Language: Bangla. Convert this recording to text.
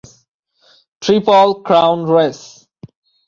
Triple crown race.